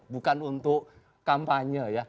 bukan untuk kampanye ya